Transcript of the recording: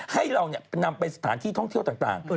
ให้เรานำไปสถานที่ท่องเที่ยวต่าง